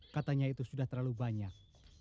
katanya itu sudah terlalu banyak